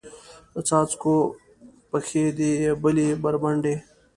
د څاڅکو پښې دي یبلې بربنډې